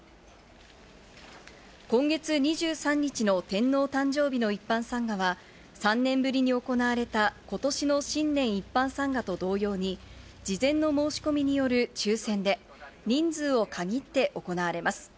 今月２３日の天皇誕生日の一般参賀は３年ぶりに行われた今年の新年一般参賀と同様に、事前の申し込みによる抽選で人数を限って行われます。